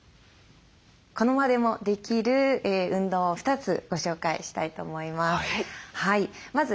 この場でもできる運動を２つご紹介したいと思います。